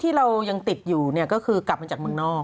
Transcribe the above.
ที่เรายังติดอยู่เนี่ยก็คือกลับมาจากเมืองนอก